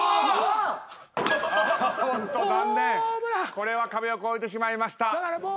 これは壁を越えてしまいました。